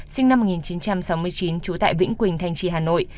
sinh năm một nghìn chín trăm sáu mươi chín trú tại vĩnh quỳnh thanh trì hà nội